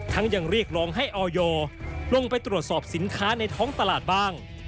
ยังเรียกร้องให้ออยลงไปตรวจสอบสินค้าในท้องตลาดบ้าง